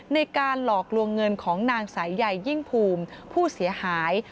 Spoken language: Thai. ในการหลอกลวงเงินของนางสายใยยิ่งภูมิผู้เสียหาย